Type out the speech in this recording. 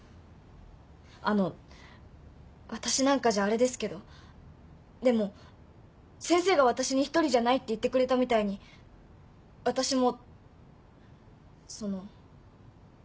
あの私なんかじゃあれですけどでも先生が私に「独りじゃない」って言ってくれたみたいに私もその。